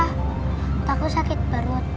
karena aku sakit perut